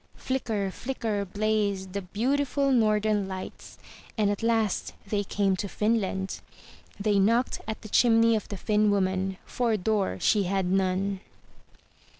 Flicker, flicker blazed the beau tiful northern lights, and at last they came to Finland. They knocked at the chimney of the Finn woman, for door she had none.